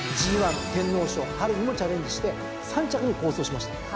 ＧⅠ天皇賞にもチャレンジして３着に好走しました。